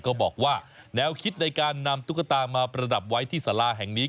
ก็บอกว่าแนวคิดในการนำตุ๊กตามาประดับไว้ที่สาราแห่งนี้